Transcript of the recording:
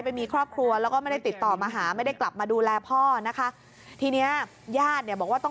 ไม่มีนอกแกกับแมวคนเดียว